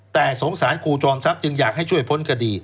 แต่สงสารครูจอมทรัพย์จึงอยากให้ช่วยพ้นคดี